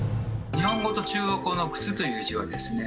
日本語と中国語の「靴」という字はですね